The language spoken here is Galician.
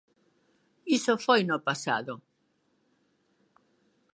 Iso foi no pasado.